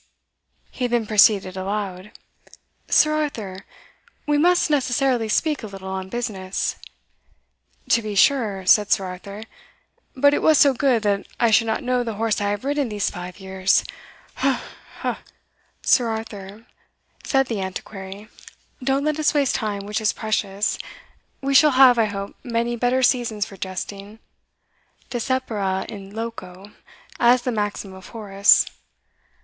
He then proceeded aloud "Sir Arthur, we must necessarily speak a little on business." "To be sure," said Sir Arthur; "but it was so good that I should not know the horse I have ridden these five years ha! ha! ha!" "Sir Arthur," said the Antiquary, "don't let us waste time which is precious; we shall have, I hope, many better seasons for jesting desipere in loco is the maxim of Horace.